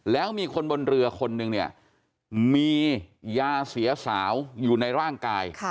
แล้วมีคนบนเรือคนนึงเนี่ยมียาเสียสาวอยู่ในร่างกาย